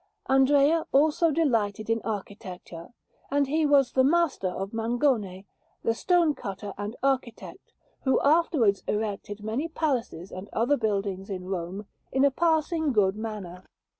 Andrea also delighted in architecture, and he was the master of Mangone, the stonecutter and architect, who afterwards erected many palaces and other buildings in Rome in a passing good manner.